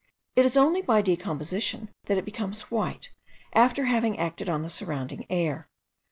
It is only by decomposition that it becomes white, after having acted on the surrounding air.